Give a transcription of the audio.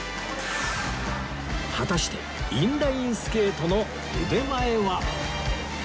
果たしてインラインスケートの腕前は？